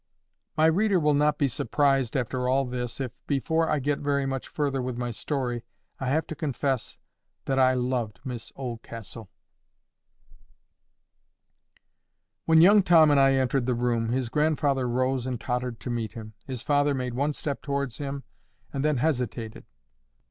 My reader will not be surprised, after all this, if, before I get very much further with my story, I have to confess that I loved Miss Oldcastle. When young Tom and I entered the room, his grandfather rose and tottered to meet him. His father made one step towards him and then hesitated.